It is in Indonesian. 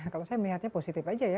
kalau saya melihatnya positif aja ya